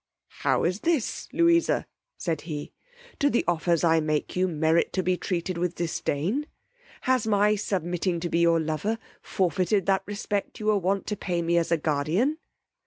How is this, Louisa, said he; do the offers I make you merit to be treated with disdain? has my submitting to be your lover forfeited that respect you were wont to pay me as a guardian?